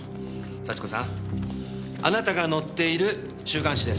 幸子さんあなたが載っている週刊誌です。